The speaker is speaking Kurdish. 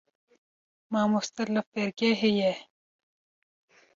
Mamoste li fêrgehê ye.